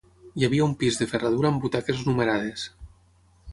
Hi havia un pis de ferradura amb butaques numerades.